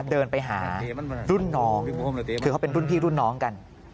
เดินไปหารุ่นน้องคือเขาเป็นรุ่นพี่รุ่นน้องกัน